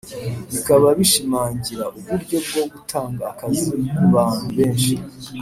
bikaba bishimangira uburyo bwo gutanga akazi ku bantu benshi